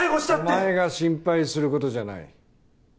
お前が心配する事じゃない。